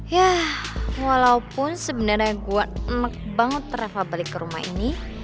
yah walaupun sebenarnya gue enak banget reva balik ke rumah ini